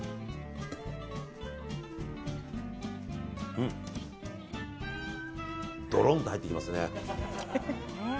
うん、どろんと入ってきますね。